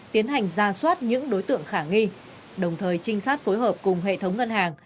tiến hành ra soát những đối tượng khả nghi đồng thời trinh sát phối hợp cùng hệ thống ngân hàng